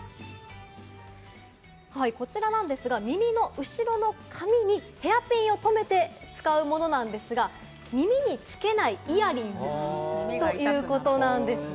こちらなんですが、耳の後ろの髪にヘアピンをとめて使うものなんですが、耳につけないイヤリングということなんですね。